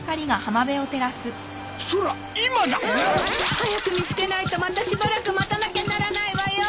そら今だ！早く見つけないとまたしばらく待たなきゃならないわよ。